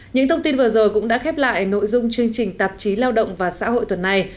những thông tin vừa rồi cũng đã khép lại nội dung chương trình tạp chí lao động và xã hội tuần này